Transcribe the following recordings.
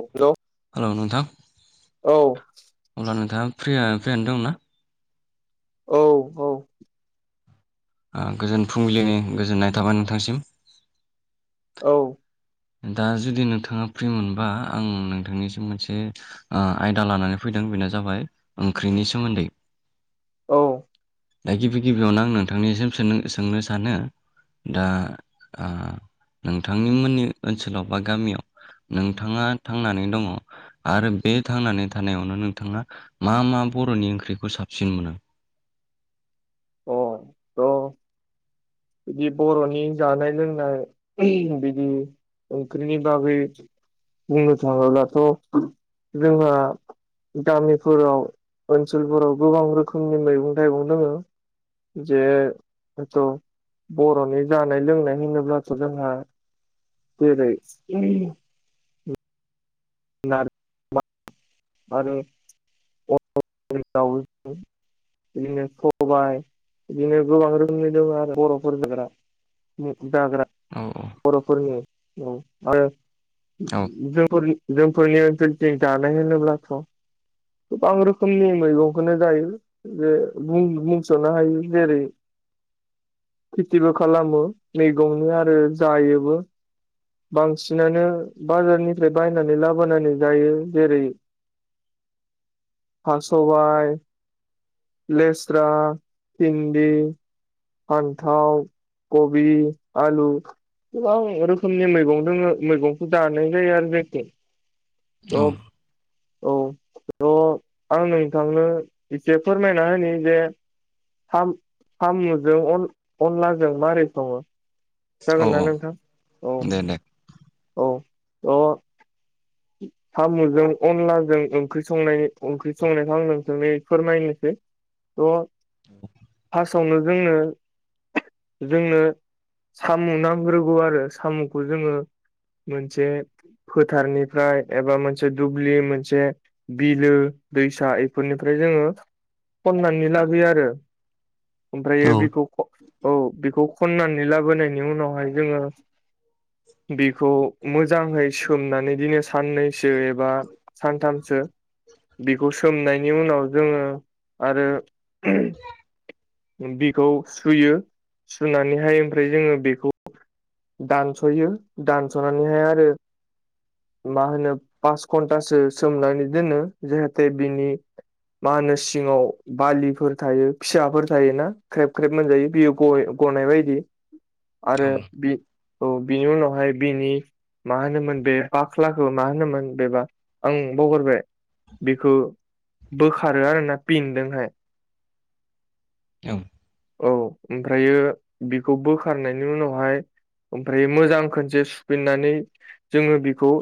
हेल' hello नोंथां अब्ला नोंथाङा फ्रिया- फ्रियानो दंना? औ औ। गोजोन फुंबिलिनि गोजोननाय थाबाय नोंथांसिम। औ। दा जुदि नोंथाङा फ्रि मोनबा आं नोंथांनिसिम मोनसे ओ आयदा लानानै फैदों बेनो जाबाय ओंख्रिनि सोमोन्दै। औ। दा गिबि गिबियावनो आं नोंथांनिसिम सों -सोंनो सानो। दा ओ नोंथांनि मोननि ओनसोलाव बा गामियाव नोंथाङा थांनानै दङ। आरो बे थांनानै थानायावनो नोंथाङा मा मा बर'नि ओंख्रिखौ साबसिन मोनो? [unintelligible] बिदि बर'नि जानाय- लोंनाय बिदि ओंख्रिनि बागै बुंनो थाङोब्लाथ' जोंहा गामिफोराव ओनसोलफोराव गोबां रोखोमनि मैगं- थाइगं दोङो। जे जिथु बर'नि जानाय लोंनाय होनोब्लाथ' जोंहा जेरै [unintelligible] आरो [unintelligible] बिदिनो सबाय बिदिनो गोबां रोखोमनि दङ आरो बर'फोर जाग्रा जाग्रा औ बरफुरनि आरो औ जोंफोर जोंफोरनि ओनसोलथि दानाय होनोब्लाथ' रोखोमनि मैगंखौनो जायो बे बुं बुंसनो हायो जेरै खेथिबो खालामो मैगंनि आरो जायोबो बांसिनानो बाजारनिफ्राय बायनानै लाबोनानै जायो जेरै हा सबाइ लेस्रा भिन्दि पान्थाव कबि आलु गोबां रोखोमनि मैगं दङ मैगंखौ जानाय जायो आरो जायखि औ औ थ' आं नोंथांनो एसे फोरमायना होनि जे साम'जों अनलाजों मारै संङो औ जागोन ना औ नोंथां औ दे दे औ अ' साम'जों अनलाजों ओंख्रि संनायनि ओंख्रि संनायखौ आं नोंसोरनि फोरमायनोसै [unintelligible] [inaudible] संङो जोंनो जोंनो साम' नांग्रोगौ आरो साम'खौ जोङो मोनसे फोथारनि फ्राय एबा मोनसे दुब्लि मोनसे बिलो दैसा बेफोरनिफ्राय जोंङो खननानै लाबोयो आरो औ ओमफ्रायो बेखौ औ बेखौ खननानै लाबोनायनि उनावहाय जोङो बेखौ मोजाङै सोमनानै बिदिनो साननैसो एबा सानथामसो बेखौ सोमनायनि उनाव जोंङो आरो बिखौ सुयो सुनानैहाय ओमफ्राय जोङो बेखौ दानस'यो दानस'नानैहाय आरो मा होनो पास घन्टासो सोमनानै दोनो जाहाथे बिनि मा होनो सिङाव बालिफोर थायो फिसाफोर थायोना ख्रेब ख्रेब मोनजायो बेयो गय गनाय बायदि आरो औ औ बिनि उनावहाय बिनि मा होनोमोन बे बाख्लाखौ मा होनोमोन बेबा आं बागारबाय बेखौ बोखारो आरोना फिनजोंहाय औ औ ओमफ्रायो बेखौ बोखारनायनि उनावहाय ओमफ्राय मोजां खनसे सुफिननानै जोङो बेखौ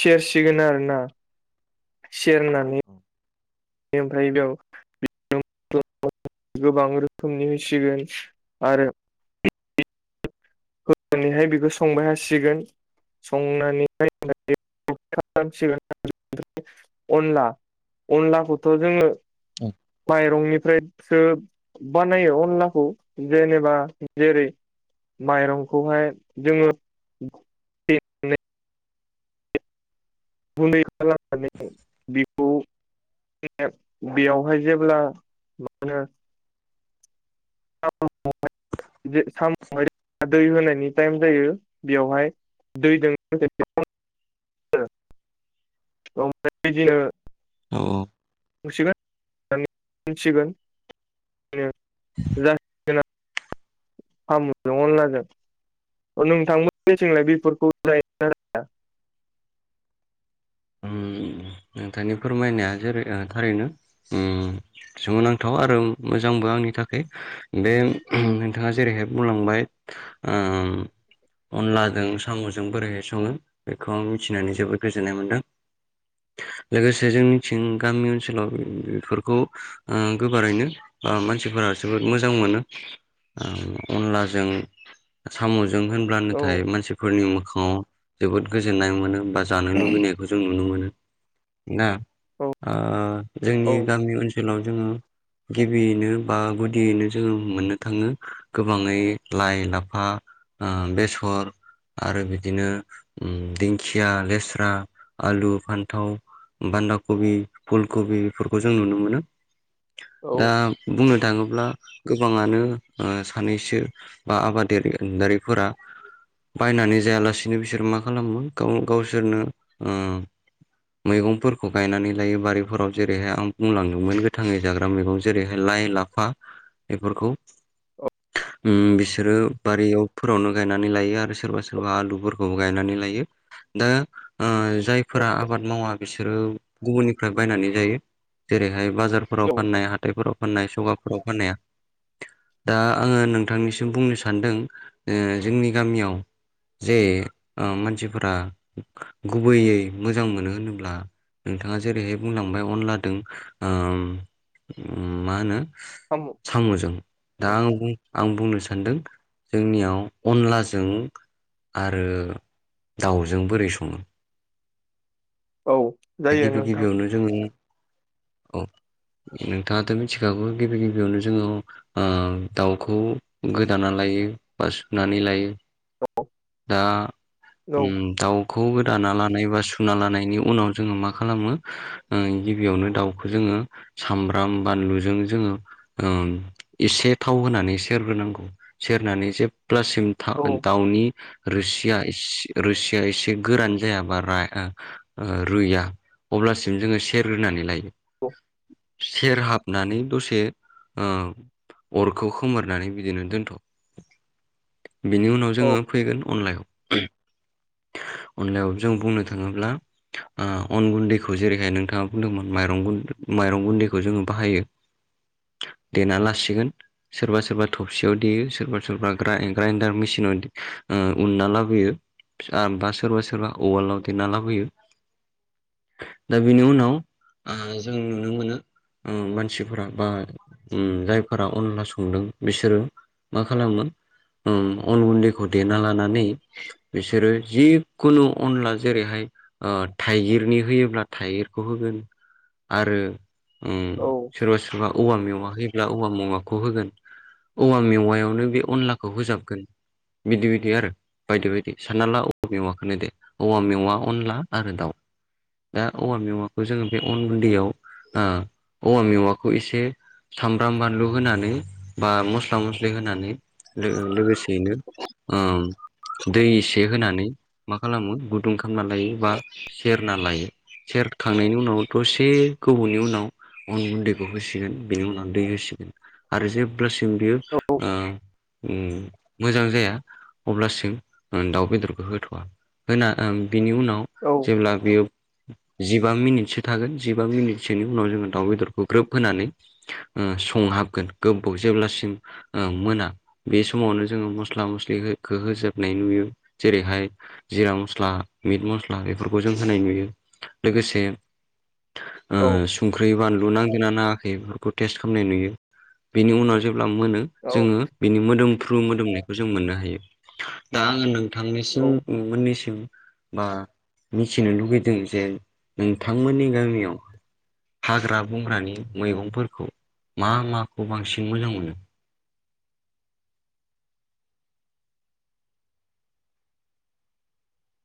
सेर सिगोन आरोना सेरनानै [inaudible] [unintelligible] [unintelligible] गोबां रोखोमनि मिसिगोन आरो होनानैहाय बेखौ संबाय थासिगोन संनानैहाय [unintelligible] खालामसिगोन अनला अनलाखौथ' जोंङो औ माइरंनिफ्राय सो बानायो अनलाखौ जेनेबा जेरै माइरंखौहाय जोङो [unintelligible] गुन्दै खालामनानै बिखौ बेयावहाय जेब्ला मा होनो जे साम'हाय दै होनायनि टाइम जायो बेयावहाय। दैजों [unintelligible] ओमफ्राय बिदिनो औ मोनसिगोन [unintelligible] [unintelligible] साम' जों अनला जों नोंथांमोननिथिंलाय बेफोरखौ जायोना? ओम नोंथांनि फोरमायनाया जेरै थारैनो ओम। सोमोनांथाव आरो मोजांबो आंनि थाखाय बे नोंथाङा जेरैहाय बुंलांबाय। ओम अनलाजों साम'जों बोरैहाय सङो बेखौ आं मिथिनानै जोबोद गोजोननाय मोन्दों। लोगोसे जों मिथिं गामि ओनसोलाव बेफोरखौ ओम गोबारैनो ब मानसिफोरा जोबोद मोजां मोनो। अनलाजों साम'जों होन। अब्ला औ नाथाय मानसिफोरनि मोखाङाव जोबोद गोजोन्नाय मोनो बा जानो लुबैनाय जों नुनो मोनो दा औ ओ जोंनि औ गामि ओनसोलाव सोलाव जोङो गिबियैनो बा गुदियैनो जोङो मोननो थाङो गोबाङै लाइ लाफा। ओ बेसर आरो बिदिनो ओम दिंखिया लेस्रा। आलु फान्थाव बान्दा कबि फुल कबि बेफोरखौ जों नुनो मोनो। दा औ बुंनो थाङोब्ला गोबाङानो सानैसो। बा आबादारिारिफोरा। बायनानै जायालासिनो बिसोर मा खालामो गाव-गावसोरनो मैगंफोरखौ गायनानै लायो बारिफोराव जेरैहाय आं बुंलांदोंमोन गोथाङै जाग्रा मैगं जेरैहाय लाइ लाब फा बेफोरखौ। औ ओम बिसोरो बारियावफोरावनो गायनानै लायो आरो सोरबा सोरबा आलुफोरखौबो गायनानै लायो। दा ओम जायफोरा आबाद मावा बिसोरो गुबुननिफ्राय बायनानै जायो जेरैहाय बाजार फोराव औ फाननाय हाथाइफोराव फाननाय सगाफोराव फाननाया। दा आङो नोंथांनिसिम बुंनो सान्दों ओ जोंनि गामियाव जे ओ मानसिफोरा गुबैयै मोजां मोनो होनोब्ला नोंथाङा जेरैहाय बुंलांबाय अनलादों ओम मा होनो। [unintelligible] साम'जों औ दा आं बुं आं बुंनो सानदों जोंनियाव अनलाजों आरो दाउजों बोरै सङो। औ दा गिबि गिबियावनो जोङो औ नोंथाङाथ' मिथिखागौ गिबि गिबियावनो जोङो ओम दाउखौ गोदाना लायो बा सुनानै लायो। औ दा ओम दाउ खौ गोदाना लानाय बा सुना लानायनि उनाव जोङो मा खालामो ओ गिबियावनो दाउखौ जोङो सामब्राम बानलुजों जोङो एसे थाव होनानै सेरग्रोनांगौ सेरनानै जेब्लासिम था औ दाउनि रोसिया रोसिया एसे गोरान जायाबा रा ओ रुया अब्लासिम जोङो सेर रोनानै लायो। औ सेर हाबनानै दसे ओम अरखौ खोमोरनानै बिदिनो दोनथ' बिनि उनाव औ जोङो फैगोन अनलायाव अनलायाव जों बुंनो थाङोब्ला ओ अन गुन्दैखौ जेरैहाय नोंथाङा बुंदोंमोन माइरं गुन माइरं गुन्दैखौ जोङो बाहायो। देना लासिगोन सोरबा सोरबा थबसेयाव देयो सोरबा सोरबा ग्रा-ग्राइडार मेसिनाव ओ उनना लाबोयो बा सोरबा सोरबा अवालाव देरना लाबोयो। दा बेनि उनाव ओ जों नुनो मोनो मानसिफोरा बा उ जायफोरा अनला संदों बिसोरो मा खालामो उ अन गुन्दैखौ देना लानानै बिसोरो जिखुनु अनला जेरैहाय ओ थाइगिरनि होयोब्ला थाइगिरखौ होगोन आरो उ औ सोरबा सोरबा औवा मेवा होयोब्ला औवा मावेवाखौ होगोन। औवा मेवायावनो बे अनलाखौ होजाबगोन बिदि बिदि आरो बायदि बायदि सानना ला औवा मेवाखौनो दे औवा मेवा अनला आरो दाउ दा औवा मेवाखौ जोंङो बे अन गुन्दैयाव आ औवा मेवाखौ एसे सामब्राम, बानलु होनानै बा मस्ला-मस्लि होनानै लो-लोगोसेैनो ओम दै एसे होनानै मा खालामो गुदुं खालामना लायो बा सेरना लायो। सेरखांनायनि उनाव दसे गोबावनि उनाव अन गुन्दैखौ होसिगोन बिनि उनाव दै होसिगोन। आरो जेब्लासिम बेयो ओ उ मोजां जाया। अब्लासिम ओ दाउ बेदरखौ होथ'वा होना बिनि उनाव औ जेब्ला बेयो जिबा मिनिटसो थागोन जिबा मिनिटसोनि उनाव जोंङो दाउ बेदरखौ ग्रोब होनानै ओ संहाबगोन गोबाव जेब्लासिम ओ मोना बे समावनो जोंङो मस्ला-मस्लिखौ होजोबनाय नुयो। जेरैहाय जिरा मस्ला मिट मस्ला बेफोरखौ जों होनाय नुयो लोगोसे ओ औ संख्रि, बानलु नांगोनना नाङाखै बेफोरखौ टेस्ट खालामनाय नुयो बेनि उनाव जे अब्ला मोनो औ जोंङो बिनि मोदोमफ्रु मोदोमनायखौ जों मोननो हायो दा आङो औ थांनायसिम मोननिसिम बा मिथिनो लुगैदों जे नोंथांमोननि गामियाव हाग्रा बंग्रानि मैगंफोरखौ मा माखौ बांसिन मोजां मोनो।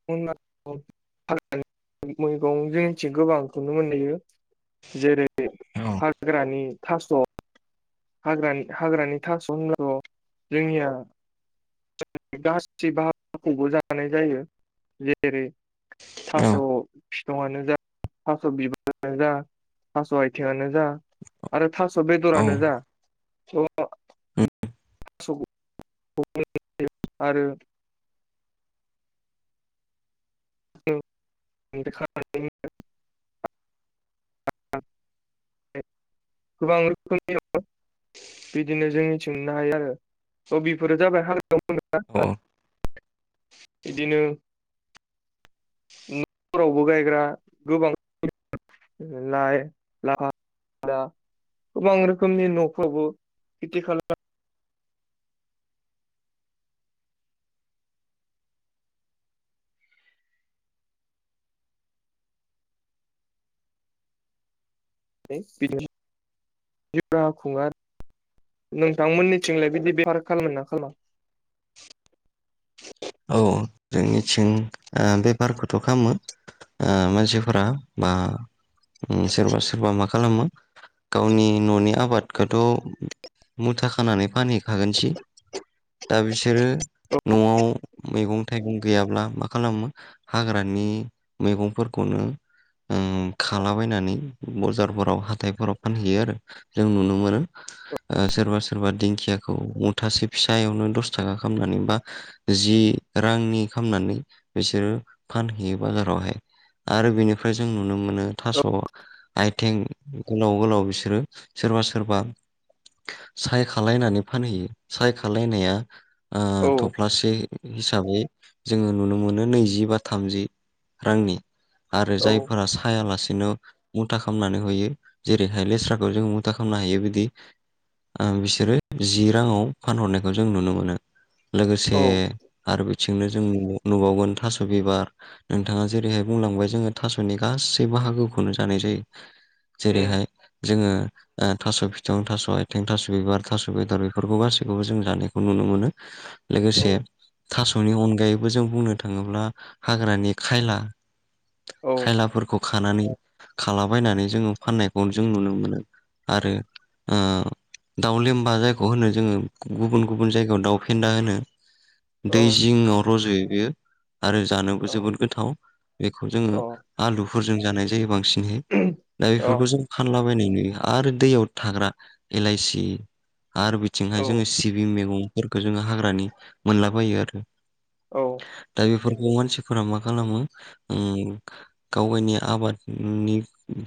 [inaudible] मैगं जनिथिं गोबां नुनो मोनयो जेरै औ हाग्रानि थास' हाग्रानि हाग्रानि थास' होननो जोंनिया गासै बखौबो जानाय जायो जेरै औ थास' बिफांआनो जा थास' बिबारानो जा थास' आथिंआनो जा आरो थास' औ बेदरानो जा थ' [inaudible] आरो [unintelligible] गोबां रोखोमनि बिदिनो जोंनिथिं मोननो हायो आरो बेफोरो जाबाय हाल [inaudible] औ बिदिनो फोरावबो गायग्रा गोबां लाइ लाफा गोबां रोखोमनि न'फ्रावबो खेथि खालाम नानै बिदि जिउ राहा खुङो आरो नोंथांमोननिथिंलाय बिदि बेफार खालामो ना खालामा? औ जोंनिथिं ओ बेफारखौथ' खालामो ओ मानसिफोरा बा उ सोरबा सोरबा मा खालामो गावनि न'नि आबादखौथ' मुथा खानानै फानहै खागोनसै दा बिसोरो न'आव मैगं-थाइगं गैयाब्ला मा खालामो हाग्रानि मैगंफोरखौनो उम खालाबायनानै बजारफोराव हाथायफोराव फानहैयो आरो जों नुनो मोनो ओ सोरबा सोरबा दिंखियाखौ मुथा से फिसायावनो दस थाखा खामनानै बा जि रांनि खालाम नानै बिसोरो फानहैयो बाजारावहाय आरो बेनिफ्राय जों नुनो मोनो थास' आथिं गोलाव गोलाव बिसोरो सोरबा सोरबा साय खालायनानै फानहैयो साय खालायनाया ओ औ थफ्लासे हिसाबै जोंङो नुनो मोनो नैजि बा थामजि रांनि। आरो औ जायफोरा सायालासेनो मुथा खालामामनानै होयो जेरैहाय लेस्राखौ जों मुथा खालामना होयो बिदि बिसोरो जि राङाव फानहरनायखौ जों नुनो मोनो। से औ आरो बिथिंनो जों नुबावगोन थास' बिबार। नोंथाङा जेरैहाय बुंलांबाय जोङो थास'नि गासै बाहागोखौनो जानाय जायो। उम जेरैहाय जोङो थास' फिथं थास' आथिं थास' बिबार थास' बेदर बेफोरखौ गासैखौबो जों जानायखौ नुनो मोनो। औ लोगोसे थास'नि अनगायैबो जों बुंनो थाङोब्ला हाग्रानि खायला औ खायलाफोरखौ खानानै खालाबायनानै जोङो फाननायखौ जों नुनो मोनो आरो ओ दाउ लेमबा जायखौ होनो जोङो गुबुन गुबुन जायगायाव दाउ फेन्दा होनो औ दै जिंआव रज'यो बेयो। आरो जानोबो जोबोद गोथाव बेखौ जोङो आलुफोरजों जानाय जायो बांसिन [unintelligible] दा औ बेफोरखौ जों फानलाबायनाय नुयो आरो दैयाव थाग्रा एलाइसि आरो औ बिथिंहाय जोङो सिबिं मैगंफोरखौ जोङो हाग्रानि मोनलाबायो आरो। औ। दा बेफोरखौ मानसिफोरा मा खालामो उम गाव गायनि आबादनि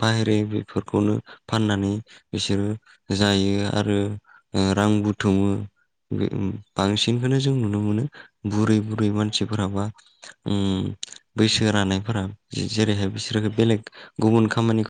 बाहेराय बेफोरखौनो फाननानै बिसोरो जायो आरो ओ‌ रां बुथुमो। ओम ब बांसिनखौनो जों नुनो मोनो बुरै बुरै मानसिफोराबा उम बैसो रानायफोरा जेरैहाय बिसोरखौ बेलेग गुबुन खामानि